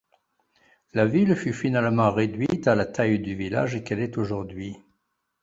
La ville fut finalement réduite à la taille du village qu'elle est aujourd'hui.